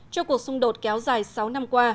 cho cuộc xung đột kéo dài sáu năm qua